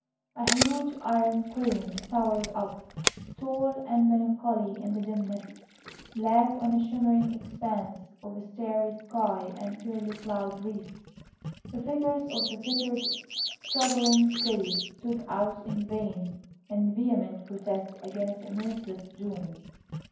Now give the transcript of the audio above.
A huge iron crane towered up, tall and melancholy in the dimness. Black on a shimmering expanse of starry sky and pearly cloud wreaths, the figures of the fettered, struggling slaves stood out in vain and vehement protest against a merciless doom.